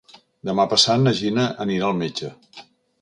Demà passat na Gina anirà al metge.